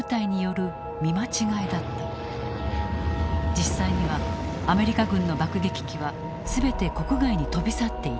実際にはアメリカ軍の爆撃機は全て国外に飛び去っていた。